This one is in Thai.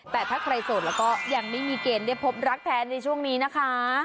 แต่ถ้าใครโสดแล้วก็ยังไม่มีเกณฑ์ได้พบรักแท้ในช่วงนี้นะคะ